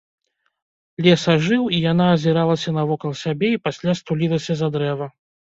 Лес ажыў, і яна азіралася навокал сябе і пасля стулілася за дрэва.